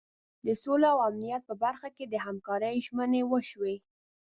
د سولې او امنیت په برخه کې د همکارۍ ژمنې وشوې.